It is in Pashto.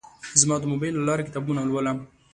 زه د موبایل له لارې کتابونه لولم.